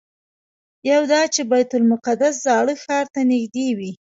یو دا چې بیت المقدس زاړه ښار ته نږدې وي.